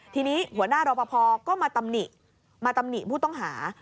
ทีนี้หัวหน้ารอปภก็มาตำหนิมาตำหนิผู้ต้องหา